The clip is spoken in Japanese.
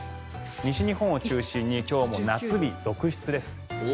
西日本を中心に今日も夏日続出です。